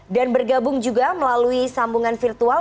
dan bergabung juga melalui sambungan virtual